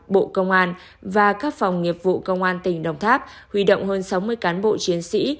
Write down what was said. bộ công an và các phòng nghiệp vụ công an tỉnh đồng tháp huy động hơn sáu mươi cán bộ chiến sĩ